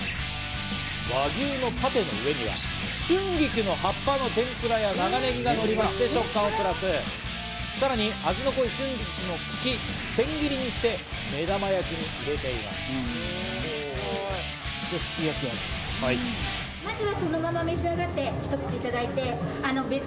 和牛のパテの上には春菊の葉っぱの天ぷらや長ネギがのりまして、食感をプラス、さらに味の濃い春菊の茎、千切りにして目玉焼きに入れています。